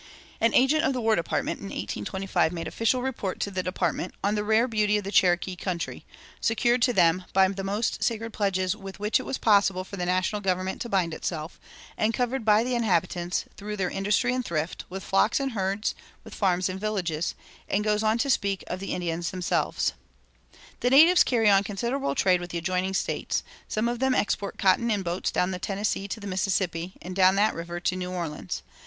An agent of the War Department in 1825 made official report to the Department on the rare beauty of the Cherokee country, secured to them by the most sacred pledges with which it was possible for the national government to bind itself, and covered by the inhabitants, through their industry and thrift, with flocks and herds, with farms and villages; and goes on to speak of the Indians themselves: "The natives carry on considerable trade with the adjoining States; some of them export cotton in boats down the Tennessee to the Mississippi, and down that river to New Orleans.